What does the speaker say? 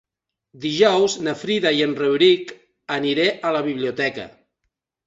Dijous na Frida i en Rauric aniré a la biblioteca.